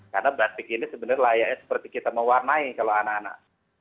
karena batik ini layaknya seperti kita mewarnai kalau anak anak